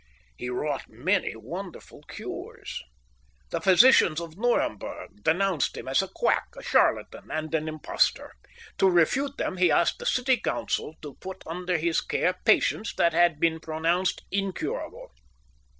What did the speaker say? He wrought many wonderful cures. The physicians of Nuremberg denounced him as a quack, a charlatan, and an impostor. To refute them he asked the city council to put under his care patients that had been pronounced incurable.